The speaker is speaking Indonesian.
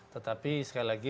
tetapi sekali lagi